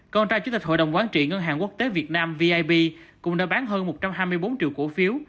con trai chủ tịch hội đồng quán trị ngân hàng quốc tế việt nam vip cũng đã bán hơn một trăm hai mươi bốn triệu cổ phiếu